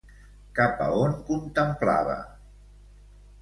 Cap a on contemplava?